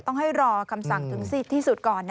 ต้องให้รอคำสั่งถึงที่สุดก่อน